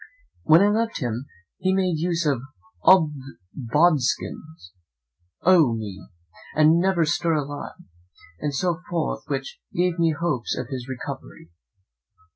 When I left him, he made use of 'Odsbodikins! Oh me! and Never stir alive!' and so forth; which gave me hopes of his recovery.